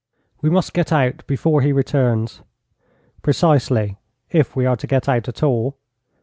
'We must get out before he returns.' 'Precisely, if we are to get out at all.'